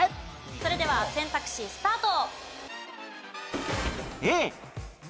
それでは選択肢スタート！